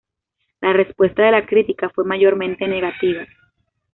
La respuesta de la crítica fue mayormente negativa.